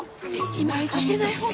今開けない方が。